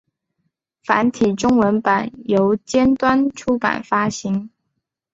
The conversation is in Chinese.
繁体中文版由尖端出版发行。